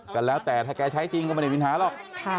ก็แล้วแต่ถ้าแกใช้จริงก็ไม่ได้มีปัญหาหรอก